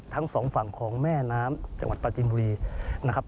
ทั้งสองฝั่งของแม่น้ำจังหวัดปลาจินบุรีนะครับ